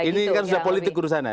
ini kan sudah politik keurusan ya